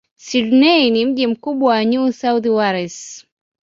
Sydney ni mji mkubwa wa New South Wales.